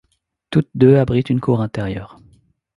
Toutes deux abritent une cour intérieure.